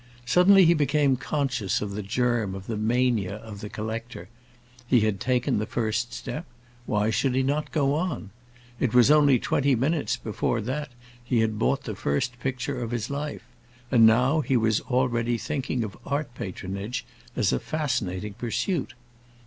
Suddenly he became conscious of the germ of the mania of the "collector;" he had taken the first step; why should he not go on? It was only twenty minutes before that he had bought the first picture of his life, and now he was already thinking of art patronage as a fascinating pursuit.